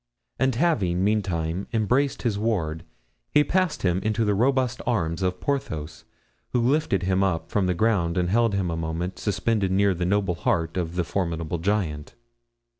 And having, meantime, embraced his ward, he passed him into the robust arms of Porthos, who lifted him up from the ground and held him a moment suspended near the noble heart of the formidable giant.